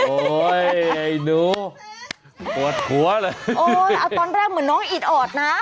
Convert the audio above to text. ไอ้หนูปวดหัวเลยโอ้ยเอาตอนแรกเหมือนน้องอิดออดนะ